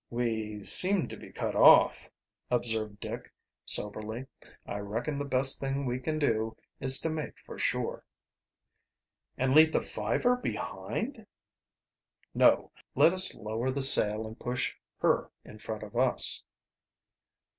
"We seem to be cut off," observed Dick soberly. "I reckon the best thing we can do is to make for shore." "And leave the Fiver behind?" "No. Let us lower the sail and push her in front of us."